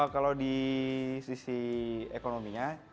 kalau di sisi ekonominya